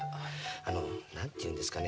あの何て言うんですかね